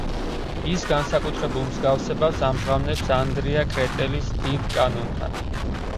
ის განსაკუთრებულ მსგავსებას ამჟღავნებს ანდრია კრეტელის „დიდ კანონთან“.